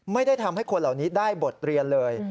ไม่ได้ทำให้คนเหล่านี้ได้บทเรียนเลย